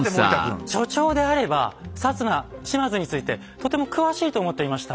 所長であれば摩島津についてとても詳しいと思っていました。